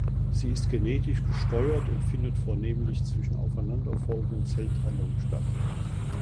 Sie ist genetisch gesteuert und findet vornehmlich zwischen aufeinander folgenden Zellteilungen statt.